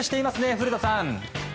古田さん。